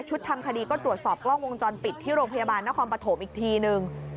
ทำคดีก็ตรวจสอบกล้องวงจรปิดที่โรงพยาบาลนครปฐมอีกทีนึง